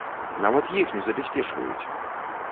Нават іх не забяспечваюць!!!